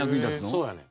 そうやねん。